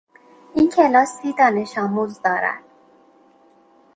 این کلاس سی دانشآموز دارد.